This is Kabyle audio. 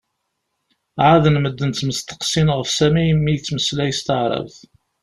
ɛaden medden ttmesteqsin ɣef Sami mi yettmeslay s taεrabt.